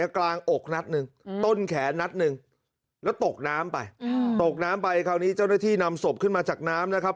กลางอกนัดหนึ่งต้นแขนนัดหนึ่งแล้วตกน้ำไปตกน้ำไปคราวนี้เจ้าหน้าที่นำศพขึ้นมาจากน้ำนะครับ